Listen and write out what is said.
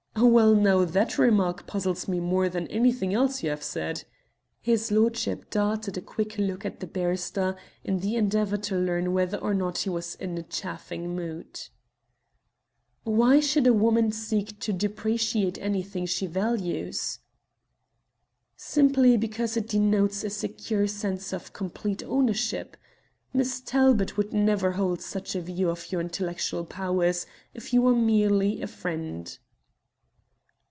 "Well, now, that remark puzzles me more than anything else you have said." His lordship darted a quick look at the barrister in the endeavour to learn whether or not he was in a chaffing mood. "Why should a woman seek to depreciate anything she values?" "Simply because it denotes a secure sense of complete ownership. Miss Talbot would never hold such a view of your intellectual powers if you were merely a friend."